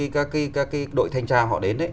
cái đội thanh tra họ đến ấy